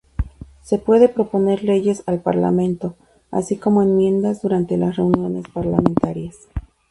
Se puede proponer leyes al Parlamento, así como enmiendas durante las reuniones parlamentarias.